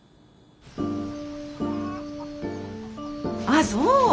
あそう。